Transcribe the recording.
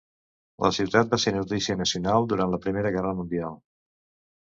La ciutat va ser notícia nacional durant la Primera Guerra Mundial.